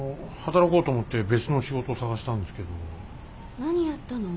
何やったの？